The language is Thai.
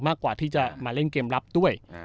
มากกว่าที่จะมาเล่นเกมรับด้วย